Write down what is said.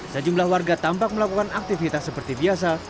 sejumlah warga tampak melakukan aktivitas seperti biasa